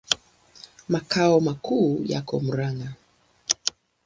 Makao makuu yako Murang'a.